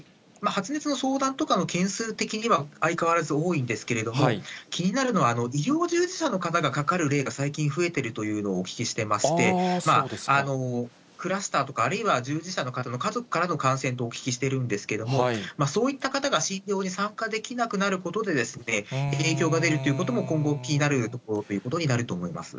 発熱の相談とかの件数的には相変わらず多いんですけれども、気になるのは、医療従事者の方がかかる例が最近増えてるというのをお聞きしてまして、クラスターとか、あるいは従事者の方の家族からの感染とお聞きしてるんですけど、そういった方が診療に参加できなくなることで影響が出るということも今後、気になるところということになると思います。